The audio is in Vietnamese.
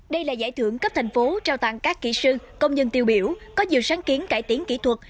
đây là giải thưởng cấp thành phố trao tặng các kỹ sư công nhân tiêu biểu có nhiều sáng kiến cải tiến kỹ thuật